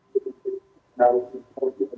suaranya tidak begitu terdengar